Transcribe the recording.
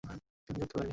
আমি ধরে রাখতে পারিনি।